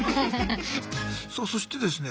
さあそしてですね